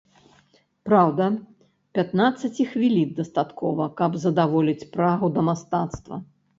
Праўда, пятнаццаці хвілін дастаткова, каб задаволіць прагу да мастацтва.